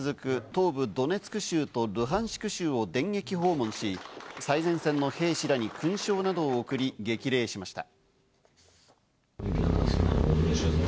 東部ドネツク州とルハンシク州を電撃訪問し、最前線の兵士らに勲章など贈り、激励しました。